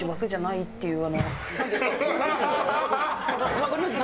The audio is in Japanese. わかります？